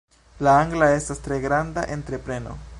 La angla estas tre granda entrepreno.